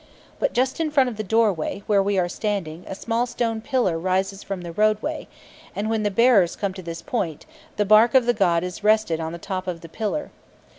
But just in front of the doorway where we are standing a small stone pillar rises from the roadway, and when the bearers come to this point, the bark of the god is rested on the top of the pillar.